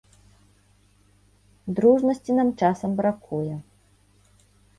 Дружнасці нам часам бракуе.